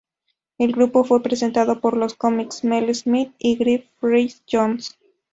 El grupo fue presentado por los cómicos Mel Smith y Griff Rhys Jones.